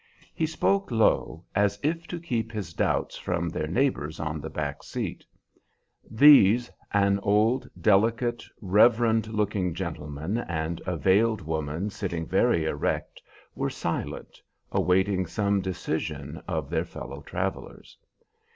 He spoke low, as if to keep his doubts from their neighbors on the back seat. These, an old, delicate, reverend looking gentleman, and a veiled woman sitting very erect, were silent, awaiting some decision of their fellow travelers.